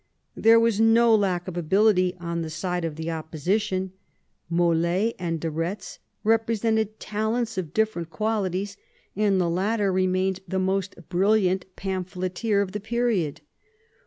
There was no lack of ability on the side of the opposition; Mol^ and de Eetz represented talents of different qualities, and the latter remained the most brilliant pamphleteer of the period.